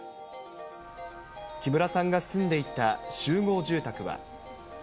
木村さんが住んでいた集合住宅は。